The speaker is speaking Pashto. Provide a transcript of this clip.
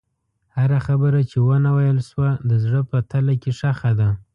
هره خبره چې ونه ویل شوه، د زړه په تله کې ښخ ده.